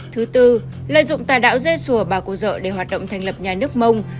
thứ tư lợi dụng tài đạo dê sùa bà cô dở để hoạt động thành lập nhà nước mông